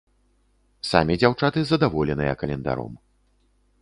Самі дзяўчаты задаволеныя календаром.